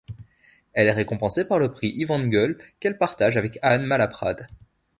Elle est récompensée par le prix Yvan Goll, qu'elle partage avec Anne Malaprade.